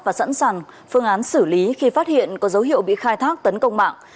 và sẵn sàng phương án xử lý khi phát hiện có dấu hiệu bị khai thác tấn công mạng